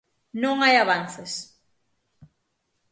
"Non hai avances".